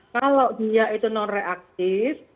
kalau dia itu non reaktif